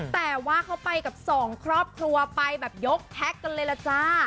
แต่ว่าเขาไปกับ๒ครอบครัวไปหยกหักเลยล่ะจ๊ะ